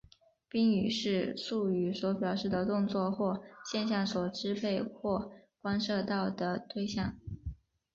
宾语是述语所表示的动作或现象所支配或关涉到的对象。